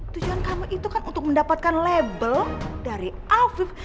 tujuan kamu itu kan untuk mendapatkan label dari alvif